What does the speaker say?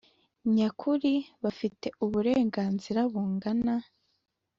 Nyakuri bafite uburenganzira bungana